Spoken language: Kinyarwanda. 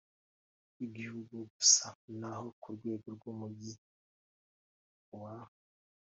rw Igihugu gusa naho ku rwego rw Umujyi wa